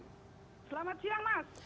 selamat siang mas